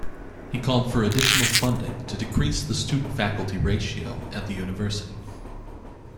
He called for additional funding to decrease the student-faculty ratio at the university.